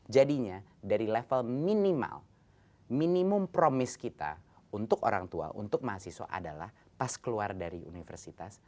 jadinya dari level minimal minimum promis kita untuk orang tua untuk mahasiswa adalah pas keluar dari universitas